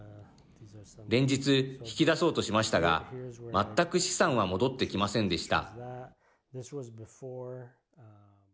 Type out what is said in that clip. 連日引き出そうとしましたが全く資産は戻ってきませんでした。